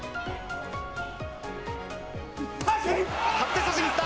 張って差しにいった。